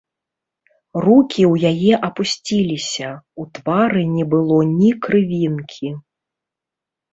Рукі ў яе апусціліся, у твары не было ні крывінкі.